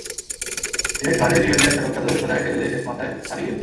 Red ফার্নের Cleveland সড়কটা ধরে সোজা হেঁটে গেলেই শেষ মাথায় সারিহিল।